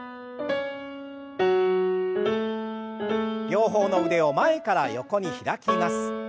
両方の腕を前から横に開きます。